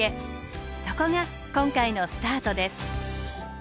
そこが今回のスタートです。